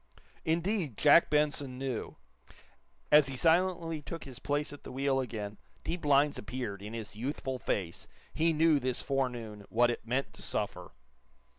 Indeed, Jack Benson knew! As he silently took his place at the wheel again deep lines appeared in his youthful face. He knew, this forenoon, what it meant to suffer.